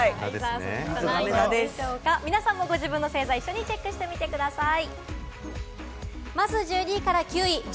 皆さんもご自分の星座を一緒にチェックしてみてください。